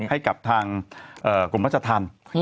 ให้กับกลมรัชทัน